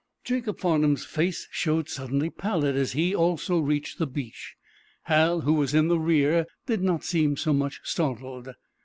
Jacob Farnum's face showed suddenly pallid as he, also, reached the beach. Hal, who was in the rear, did not seem so much startled.